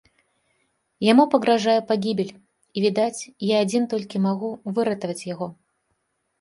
Яму пагражае пагібель, і, відаць, я адзін толькі магу выратаваць яго.